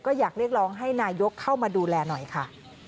ก็อยากเรียกร้องให้นายกเข้ามาดูแลหน่อยค่ะ